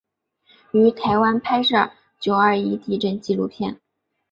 于台湾拍摄九二一地震纪录片。